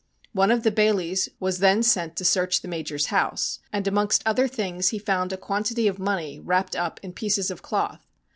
One of the bailies was then sent to search the Major's house, and amongst other things he found a quantity of money wrapped up in pieces of cloth.